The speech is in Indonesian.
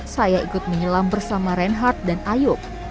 saya ikut menyelam bersama reinhardt dan ayub